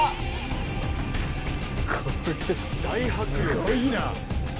すごいな。